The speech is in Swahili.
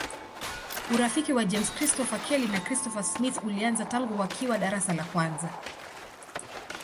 Urafiki wa James Christopher Kelly na Christopher Smith ulianza tangu wakiwa darasa la kwanza.